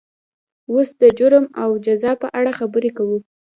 اوس د جرم او جزا په اړه خبرې کوو.